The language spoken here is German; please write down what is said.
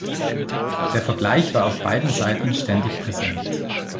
Der Vergleich war auf beiden Seiten ständig präsent.